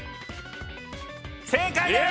正解です！